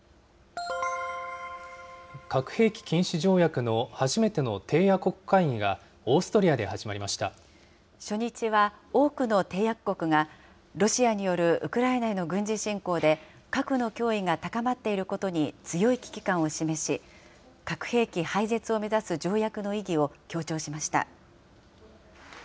核兵器禁止条約の初めての締約国会議がオーストリアで始まり初日は、多くの締約国がロシアによるウクライナへの軍事侵攻で核の脅威が高まっていることに強い危機感を示し、核兵器廃絶を目指す条約の意義を強調しました。